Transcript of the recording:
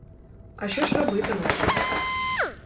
А що ж робитимеш!